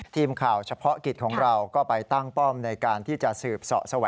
ทีมข่าวเฉพาะกิจของเราก็ไปตั้งป้อมในการที่จะสืบเสาะ